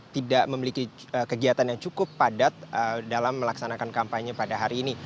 tidak memiliki kegiatan yang cukup padat dalam melaksanakan kampanye pada hari ini